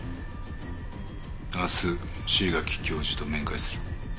明日椎垣教授と面会する。